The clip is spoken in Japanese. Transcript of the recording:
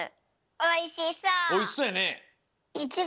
おいしそう！